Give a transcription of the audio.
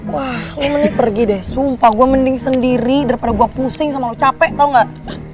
wah lu mending pergi deh sumpah gue mending sendiri daripada gue pusing sama lo capek tau gak